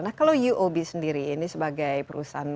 nah kalau uob sendiri ini sebagai perusahaan